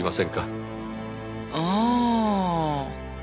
ああ。